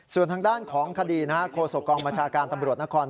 ส่วนทางด้านของคดีโคศกองบัญชาการตำรวจนคร